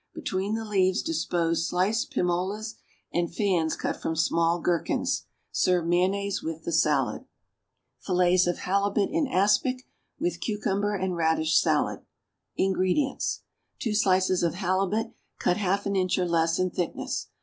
Between the leaves dispose sliced pim olas and fans cut from small gherkins. Serve mayonnaise with the salad. =Fillets of Halibut in Aspic, with Cucumber and Radish Salad.= INGREDIENTS. 2 slices of halibut, cut half an inch or less in thickness.